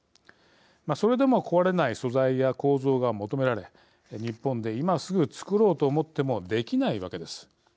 それでも壊れない素材や構造が求められ日本で今すぐ作ろうと思ってもできないわけです。